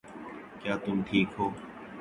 کیا تم ٹھیک ہو